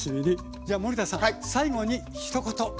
じゃあ森田さん最後にひと言お願いします。